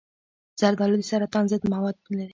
زردآلو د سرطان ضد مواد لري.